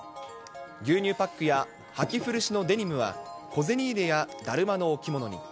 牛乳パックやはき古しのデニムは、小銭入れや、だるまの置物に。